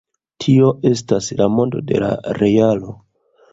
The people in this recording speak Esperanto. Tio estas la modo de la realo.